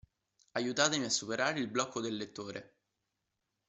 Aiutatemi a superare il blocco del lettore.